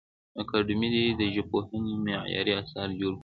اکاډمي دي د ژبپوهنې معیاري اثار جوړ کړي.